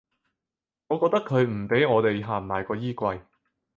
我覺得佢唔畀我地行埋個衣櫃